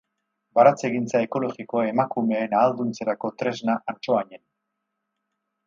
Baratzegintza ekologikoa emakumeen ahalduntzerako tresna Antsoainen.